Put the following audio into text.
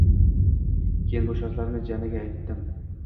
Keyin bu shartlarni Janaga aytdim